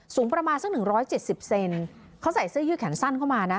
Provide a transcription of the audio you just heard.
สูงประมาณสักหนึ่งร้อยเจ็ดสิบเซนเขาใส่เสื้อยืดแขนสั้นเข้ามานะ